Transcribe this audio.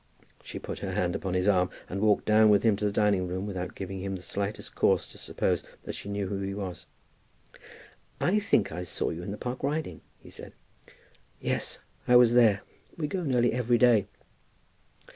She put her hand upon his arm, and walked down with him to the dining room without giving him the slightest cause to suppose that she knew who he was. "I think I saw you in the Park riding?" he said. "Yes, I was there; we go nearly every day."